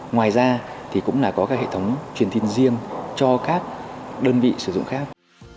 ngoài ra thì cũng là có các hệ thống truyền tin riêng cho các đơn vị sử dụng khác